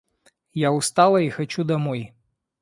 Я устала и хочу домой.